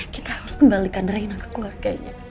kita harus kembalikan rahina ke keluarganya